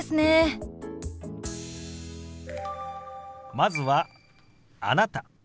まずは「あなた」。